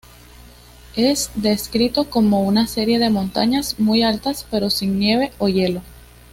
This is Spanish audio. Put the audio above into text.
Es descrito como una serie de montañas muy altas, pero sin nieve o hielo.